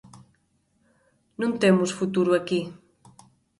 Non temos futuro aquí.